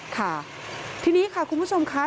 ค่ะทีนี้ค่ะคุณผู้ชมค่ะ